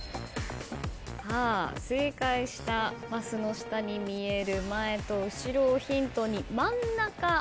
正解したマスの下に見える前と後ろをヒントに真ん中「？」